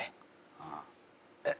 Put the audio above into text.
ああえっ